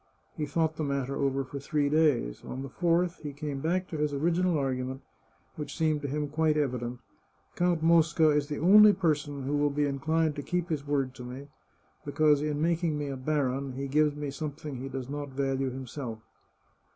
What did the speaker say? He thought the matter over for three days. On the fourth he came back to his original argument, which seemed to him quite evident. " Count Mosca is the only person who will be inclined to keep his word to me, because in making me a baron he gives me something he does not value himself.